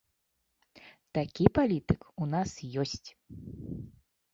Такі палітык у нас ёсць!